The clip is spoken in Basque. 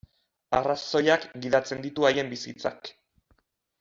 Arrazoiak gidatzen ditu haien bizitzak.